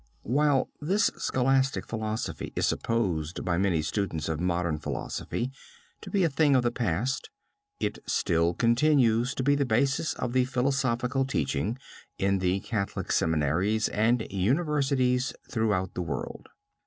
While this scholastic philosophy is supposed by many students of modern philosophy to be a thing of the past, it still continues to be the basis of the philosophical teaching in the Catholic seminaries and universities throughout the world.